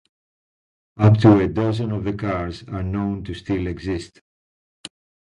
Up to a dozen of the cars are known to still exist.